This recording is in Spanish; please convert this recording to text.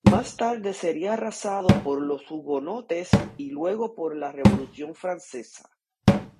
Más tarde sería arrasado por los hugonotes, y luego por la Revolución francesa.